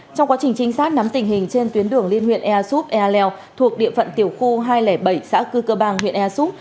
trong quá trình chính xác nắm tình hình trên tuyến đường liên huyện ea súp ea lèo thuộc địa phận tiểu khu hai trăm linh bảy xã cư cơ bang huyện ea súp